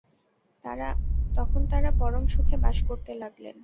তখন তাঁরা পরমসুখে বাস করতে লাগলেন।